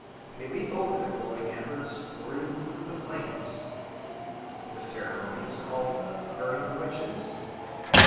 They leap over the glowing embers or even through the flames. The ceremony is called "burning the witches."